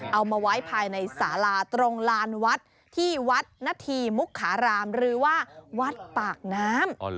เอามาไว้ภายในสาราตรงลานวัดที่วัดนาธีมุกขารามหรือว่าวัดปากน้ำ